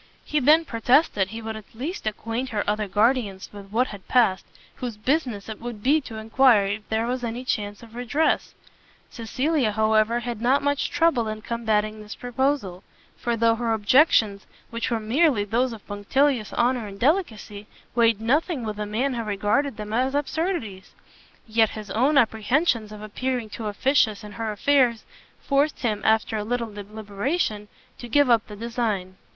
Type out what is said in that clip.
He then protested he would at least acquaint her other guardians with what had passed, whose business it would be to enquire if there was any chance of redress. Cecilia, however, had not much trouble in combating this proposal; for though her objections, which were merely those of punctilious honour and delicacy, weighed nothing with a man who regarded them as absurdities, yet his own apprehensions of appearing too officious in her affairs, forced him, after a little deliberation, to give up the design.